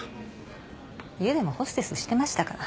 家でもホステスしてましたから。